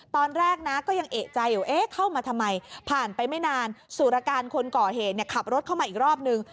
ตอนแรกนะก็ยังเอกใจอยู่เอ๊ะเข้ามาทำไมผ่านไปไม่นานสุรการคนก่อเหตุขับรถเข้ามาอีกรอบนึง